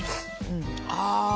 ああ！